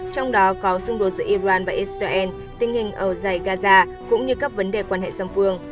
trong đó có xung đột giữa iran và israel tình hình ở dài gaza cũng như các vấn đề quan hệ song phương